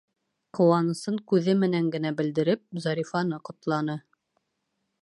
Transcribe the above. Ҡыуанысын күҙе менән генә белдереп, Зарифаны ҡотланы.